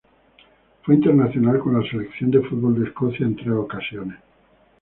Fue internacional con la Selección de fútbol de Escocia en tres ocasiones.